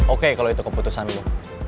oke kalau itu keputusan lo